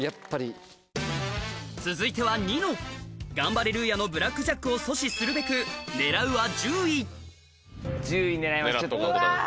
続いてはニノガンバレルーヤのブラックジャックを阻止するべく１０位狙います